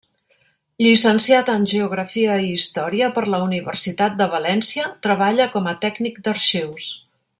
Llicenciat en Geografia i Història per la Universitat de València, treballa com a tècnic d'arxius.